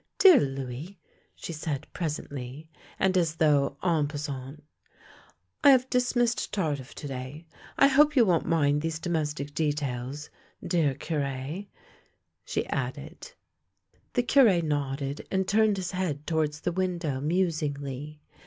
" Dear Louis," she said presently, and as though en passant, " I have dismissed Tardif to day — I hope you won't mind these domestic details, dear Cure," she added. The Cure nodded and turned his head towards the window musingly.